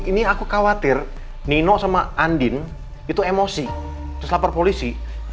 ini aku khawatir nino sama andin itu emosi terus lapor polisi